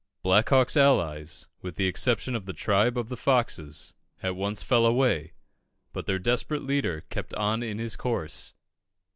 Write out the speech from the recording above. Black Hawk's allies, with the exception of the tribe of the Foxes, at once fell away, but their desperate leader kept on in his course.